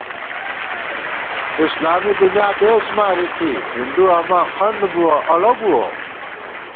اسلامی دُنیا بېس ماری تھی، ہندُو اماں خنڈ بُوَہ اڑہ بُوَہ